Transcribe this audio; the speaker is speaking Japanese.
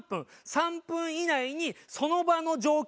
３分以内にその場の状況